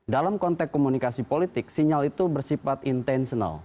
dalam konteks komunikasi politik sinyal itu bersifat intentional